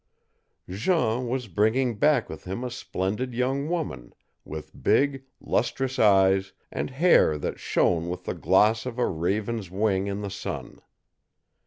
Jean was bringing back with him a splendid young woman, with big, lustrous eyes, and hair that shone with the gloss of a raven's wing in the sun.